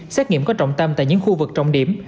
xét nghiệm có trọng tâm tại những khu vực trọng điểm